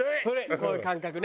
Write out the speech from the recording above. こういう感覚ね。